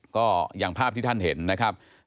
ก็อย่างภาพที่ท่านเห็นนะครับ